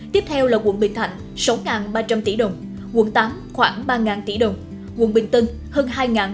tiếp theo là quận bình thạnh sáu ba trăm linh tỷ đồng quận tám khoảng ba tỷ đồng quận bình tân hơn hai ba trăm linh tỷ đồng